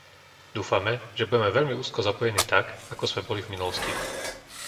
Dúfame, že budeme veľmi úzko zapojení tak, ako sme boli v minulosti.